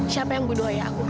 siapa yang bodoh ayah aku